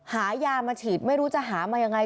หายามาฉีดไม่รู้จะหามายังไง